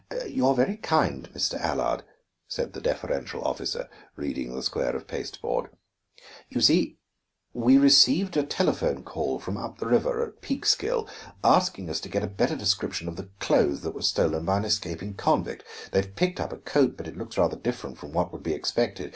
"You are very kind, Mr. Allard," said the deferential officer, reading the square of pasteboard. "You see, we received a telephone call from up the river at Peekskill, asking us to get a better description of the clothes that were stolen by an escaping convict. They've picked up a coat, but it looks rather different from what would be expected.